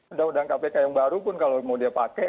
undang undang kpk yang baru pun kalau mau dia pakai